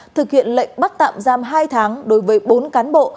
thực hiện lệnh bắt tạm giam hai tháng đối với bốn cán bộ